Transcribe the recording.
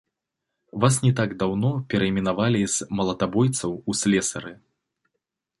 Вас не так даўно перайменавалі з малатабойцаў у слесары.